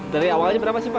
dari awalnya berapa sih pak